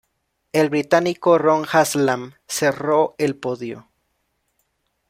El británico Ron Haslam cerró el podio.